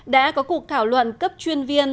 đã có cuộc thảo luận cấp chuyên viên